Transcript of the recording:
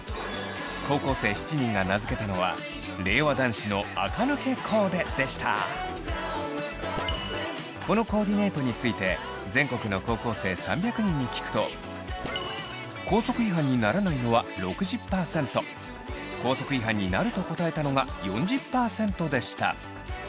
高校生７人が名付けたのはこのコーディネートについて全国の高校生３００人に聞くと校則違反にならないのは６０％校則違反になると答えたのが４０％でした。